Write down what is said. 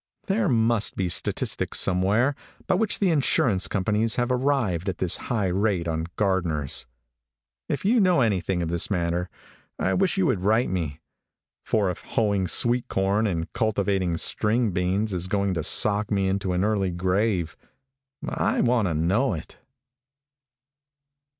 There must be statistics somewhere by which the insurance companies have arrived at this high rate on gardeners. If you know anything of this matter, I wish you would write me, for if hoeing sweet corn and cultivating string beans is going to sock me into an early grave I want to know it."